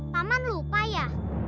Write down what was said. paman lupa ya